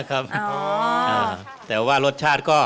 รับรับรับ